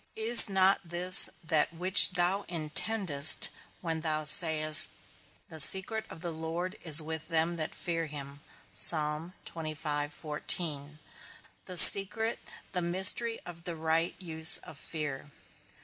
Is not this that which thou intendest when thou sayest, The secret of the Lord is with them that fear him; the secret, the mystery of the right use of fear.